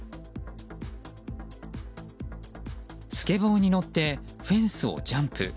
スケボーに乗ってフェンスをジャンプ。